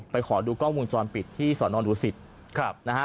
ไปขอดูกล้องวงจรปิดที่ศนดูสิทธิ์นะฮะ